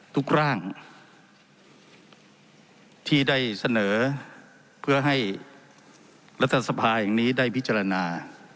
ทุกร่างที่ได้เสนอเพื่อให้รัฐสภาแห่งนี้ได้พิจารณา